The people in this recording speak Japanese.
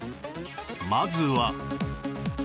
まずは